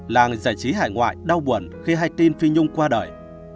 làng giải trí hải ngoại đau buồn khi hai tin phi nhung qua đời